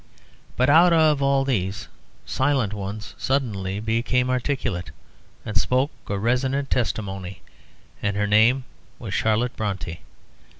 But out of all these silent ones one suddenly became articulate, and spoke a resonant testimony, and her name was Charlotte Brontë.